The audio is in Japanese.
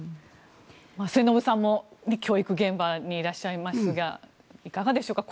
末延さんも教育現場にいらっしゃいますがいかがでしょうか？